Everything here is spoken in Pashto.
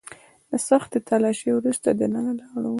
د سختې تلاشۍ وروسته دننه لاړو.